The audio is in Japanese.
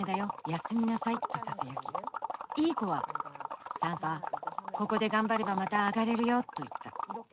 休みなさい」とささやきいい子は「サンファここで頑張ればまた上がれるよ」と言った。